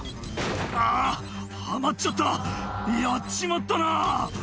「あっはまっちゃったやっちまったな」